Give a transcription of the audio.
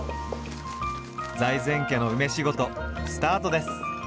財前家の梅仕事スタートです。